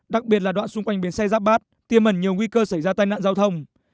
đặc biệt là đoạn xung quanh biến xe giáp bát tiêm ẩn nhiều nguy cơ xảy ra tai nạn giao thông